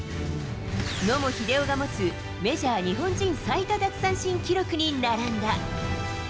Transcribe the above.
野茂英雄が持つメジャー日本人最多奪三振記録に並んだ。